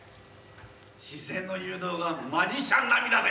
視線の誘導がマジシャン並みだぜ！